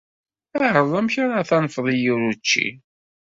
Ɛreḍ amek ara tanfeḍ i yir učči.